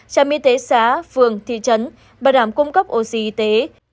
trạm y tế xá phường thị trấn bà đảm cung cấp oxy y tế